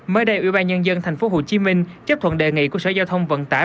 mới đây ủy ban nhân dân tp hcm chấp thuận đề nghị của sở giao thông vận tải